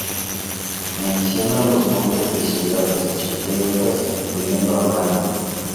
Menciona los nombres de ciudades chipriotas incluyendo a Mario.